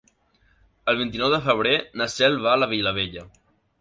El vint-i-nou de febrer na Cel va a la Vilavella.